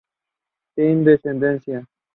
Sin descendencia.